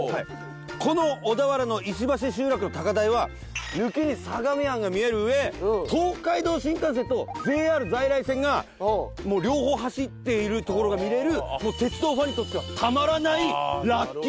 この小田原の石橋集落の高台は相模湾が見える上東海道新幹線とＪＲ在来線が両方走っているところが見られる鉄道ファンにとってはたまらないラッキースポットという。